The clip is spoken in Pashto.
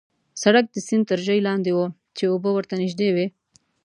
سړک د سیند تر ژۍ لاندې وو، چې اوبه ورته نژدې وې.